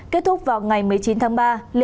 kết thúc vào ngày một mươi chín tháng ba